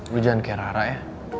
lu jangan kayak rara ya